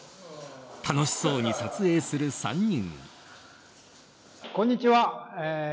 楽しそうに撮影する３人。